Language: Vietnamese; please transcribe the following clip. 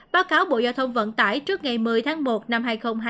báo cáo bộ giao thông vận tải trước ngày một mươi tháng một năm hai nghìn hai mươi